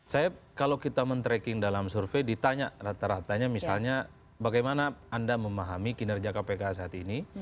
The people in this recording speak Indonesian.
saya kalau kita men tracking dalam survei ditanya rata ratanya misalnya bagaimana anda memahami kinerja kpk saat ini